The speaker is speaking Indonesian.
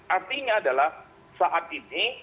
artinya adalah saat ini